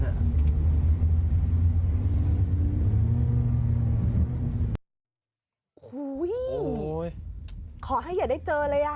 โอ้โหขอให้อย่าได้เจอเลยอ่ะ